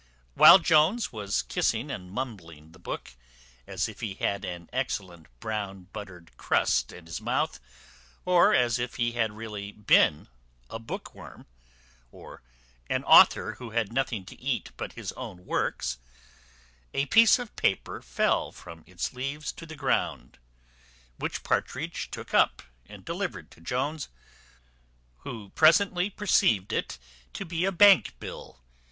While Jones was kissing and mumbling the book, as if he had an excellent brown buttered crust in his mouth or as if he had really been a book worm, or an author who had nothing to eat but his own works, a piece of paper fell from its leaves to the ground, which Partridge took up, and delivered to Jones, who presently perceived it to be a bank bill.